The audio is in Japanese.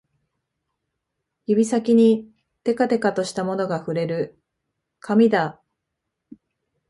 指先にてかてかとしたものが触れる、紙だ